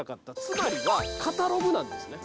つまりはカタログなんですね。